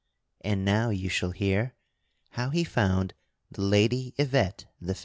And now you shall hear how he found the Lady Yvette the Fair.